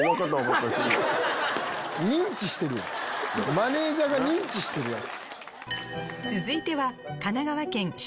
マネージャーが認知してるやろ。